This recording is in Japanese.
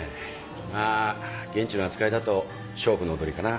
まぁ現地の扱いだと娼婦の踊りかな。